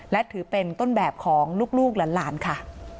และถือเป็นต้นแบบของลูกหลานค่ะ